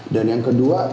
dan yang kedua